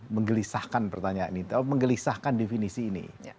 menggelisahkan pertanyaan itu menggelisahkan definisi ini